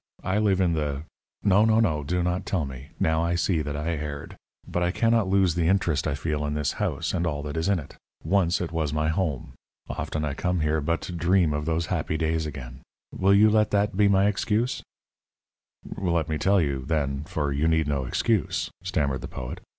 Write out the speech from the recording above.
I live in the " "No, no, no; do not tell me. Now I see that I erred. But I cannot lose the interest I feel in this house and all that is in it. Once it was my home. Often I come here but to dream of those happy days again. Will you let that be my excuse?" "Let me tell you, then, for you need no excuse," stammered the poet.